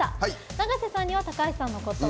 永瀬さんには高橋さんのことを。